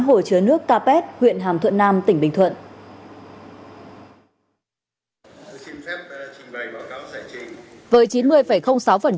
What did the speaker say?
hồ chứa nước capet huyện hàm thuận nam tỉnh bình thuận